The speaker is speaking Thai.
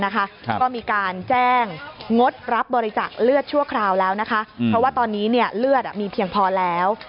ก็มีการแจ้งงดรับบริจาคเลือดชั่วคราวแล้วนะคะเพราะว่าตอนนี้เลือดมีเพียงพอแล้ว